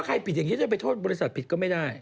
ผิดอย่างนี้จะไปโทษบริษัทผิดก็ไม่ได้